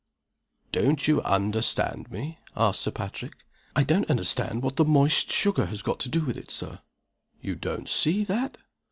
"Don't you understand me?" asked Sir Patrick. "I don't understand what the moist sugar has got to do with it, Sir." "You don't see that?"